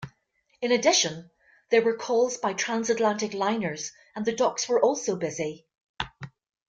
In addition there were calls by trans-Atlantic liners and the docks were also busy.